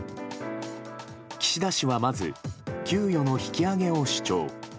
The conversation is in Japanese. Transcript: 岸田氏はまず給与の引き上げを主張。